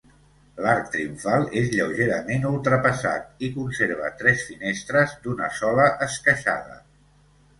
L'arc triomfal és lleugerament ultrapassat, i conserva tres finestres d'una sola esqueixada.